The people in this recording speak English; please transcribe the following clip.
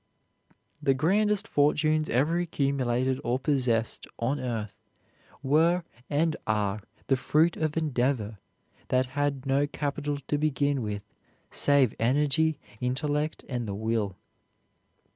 _" The grandest fortunes ever accumulated or possessed on earth were and are the fruit of endeavor that had no capital to begin with save energy, intellect, and the will.